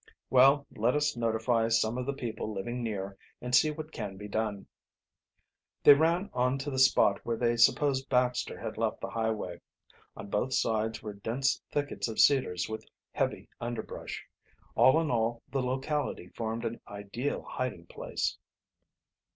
"Well, let us notify some of the people living near and see what can be done." They ran on to the spot where they supposed Baxter had left the highway. On both sides were dense thickets of cedars with heavy underbrush. All in all, the locality formed an ideal hiding place.